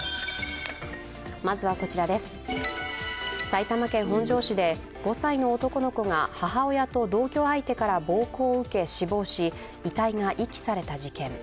埼玉県本庄市で５歳の男の子が母親と同居相手から暴行を受け死亡し、遺体が遺棄された事件。